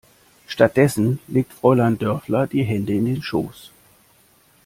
Stattdessen legt Fräulein Dörfler die Hände in den Schoß.